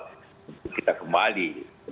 untuk kita kembali